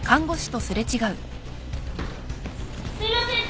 すいません